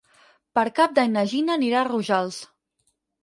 Per Cap d'Any na Gina anirà a Rojals.